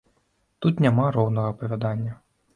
Тут няма роўнага апавядання.